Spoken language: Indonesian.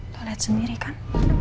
lo liat sendiri kan